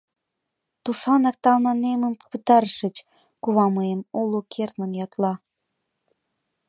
Тушанак Талманемым пытарышыч! — кува мыйым уло кертмын ятла.